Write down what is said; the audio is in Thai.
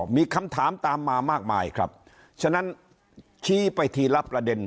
มีคำถามตามมามากมายครับฉะนั้นชี้ไปทีละประเด็น